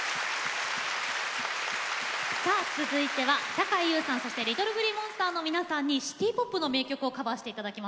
続いてはさかいゆうさん、そしてＬｉｔｔｌｅＧｌｅｅＭｏｎｓｔｅｒの皆さんにシティーポップの名曲をカバーしていただきます。